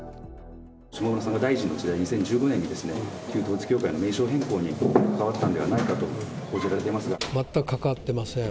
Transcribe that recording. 下村さんが大臣の時代、２０１５年に旧統一教会の名称変更に関わったんではないかと報じ全く関わってません。